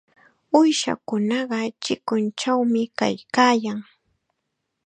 Uushakunaqa chikunchawmi kaykaayan.